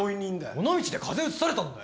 尾道で風邪うつされたんだよ。